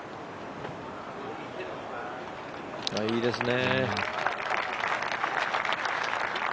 いいですね。